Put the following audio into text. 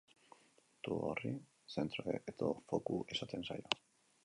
Puntu horri, zentro edo foku esaten zaio.